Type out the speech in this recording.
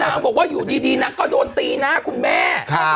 บอกว่าอยู่ดีนางก็โดนตีหน้าคุณแม่